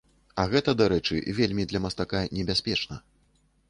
А гэта, дарэчы, вельмі для мастака небяспечна.